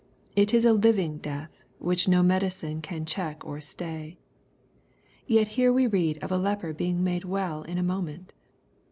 It is a living death, which no medicine can check or stay. Yet here we read of a leper being made well in a moment.